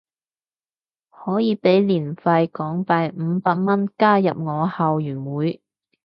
可以俾年費港幣五百蚊加入我後援會